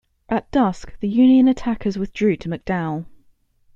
At dusk the Union attackers withdrew to McDowell.